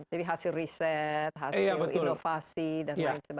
jadi hasil riset hasil inovasi dan lain sebagainya